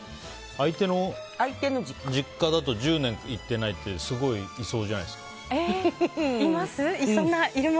相手の実家だと１０年行ってないってすごいいそうじゃないですか。